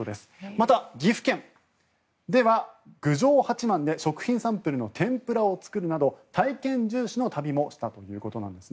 また、岐阜県では、郡上八幡で食品サンプルの天ぷらを作るなど体験重視の旅もしたということです。